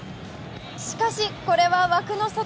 しかし、これは枠の外。